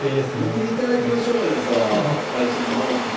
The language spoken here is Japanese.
見ていただきましょうよそら会社の同期に。